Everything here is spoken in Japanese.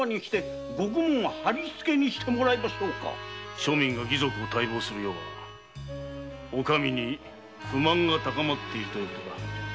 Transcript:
庶民が義賊を待望する世はお上に不満が高まっていると言う事だ。